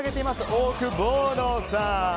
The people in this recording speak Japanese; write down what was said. オオクボーノさん。